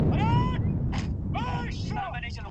ډیپلوماسي باید د هېواد د صادراتو لپاره بازار پیدا کړي.